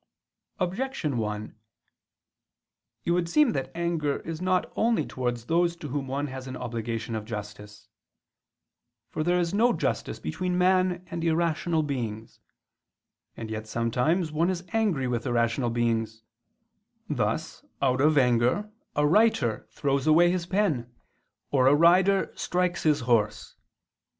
Objection 1: It would seem that anger is not only towards those to whom one has an obligation of justice. For there is no justice between man and irrational beings. And yet sometimes one is angry with irrational beings; thus, out of anger, a writer throws away his pen, or a rider strikes his horse.